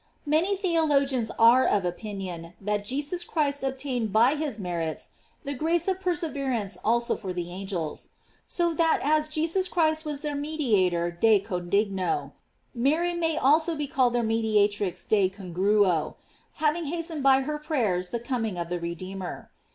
Many theologians are of opinion that Jesus Christ obtained by his merits the grace of perseverance also for the angels; so that as Jesus Christ was their mediator de con dignOy Mary may also be called their mediatrix de congruo, having hastened by her prayers the coming of the Redeemer.